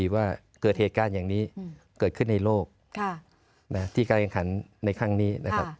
ว่าเกิดเหตุการณ์อย่างนี้เกิดขึ้นในโลกที่การอุทธรณ์ในข้างนี้